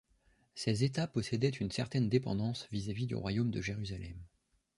Ces états possédaient une certaine dépendance vis-à-vis du royaume de Jérusalem.